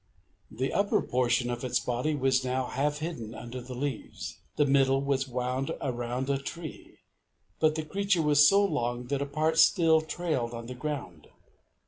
The upper portion of its body was now half hidden under the leaves, the middle was wound around a tree, but the creature was so long that a part still trailed on the ground.